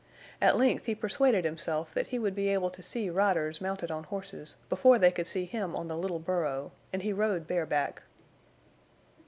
At length he persuaded himself that he would be able to see riders mounted on horses before they could see him on the little burro, and he rode bareback.